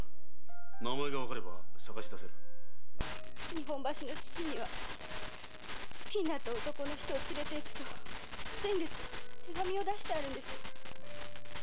日本橋の父には「好きになった男の人を連れていく」と先月手紙を出してあるんです。